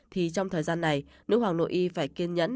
thì trong thời gian này nữ hoàng nội y phải kiên nhẫn